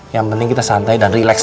yang penting kita santai dan relax